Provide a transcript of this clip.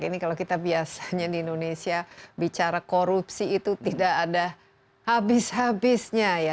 ini kalau kita biasanya di indonesia bicara korupsi itu tidak ada habis habisnya ya